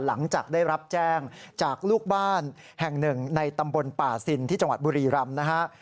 หลังจากได้รับแจ้งจากลูกบ้านแห่งหนึ่งในตำบลป่าซินที่จังหวัดบุรีรำนะฮะ